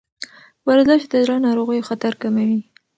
ورزش د زړه ناروغیو خطر کموي.